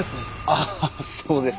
あっそうですね。